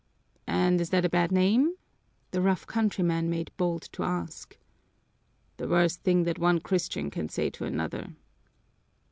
"And is that a bad name?" the rough countryman made bold to ask. "The worst thing that one Christian can say to another!"